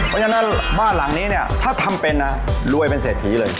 เพราะฉะนั้นบ้านหลังนี้เนี่ยถ้าทำเป็นนะรวยเป็นเศรษฐีเลย